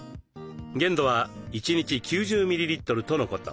限度は１日９０ｍｌとのこと。